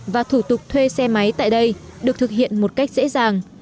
và thủ tục thuê xe máy tại đây được thực hiện một cách dễ dàng